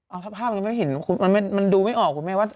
เอาถ้าภาพนี้ไม่เห็นมันดูไม่ออกคุณแม่ว่า